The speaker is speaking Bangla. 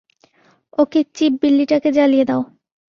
ওকে, চিপ, বিল্লিটাকে জ্বালিয়ে দাও।